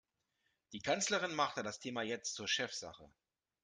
Die Kanzlerin machte das Thema jetzt zur Chefsache.